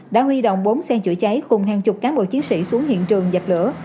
đã huy động bốn xe chữa cháy cùng hàng chục cán bộ chiến sĩ xuống hiện trường dập lửa